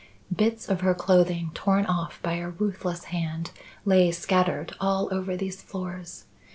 Bits of her clothing torn off by a ruthless hand, lay scattered over all these floors.